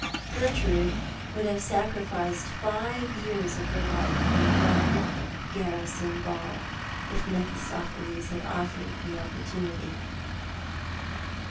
Gertrude ■would have sacrificed five years of her life for one garrison ball, if Mephistopheles had offered her the opportuuity.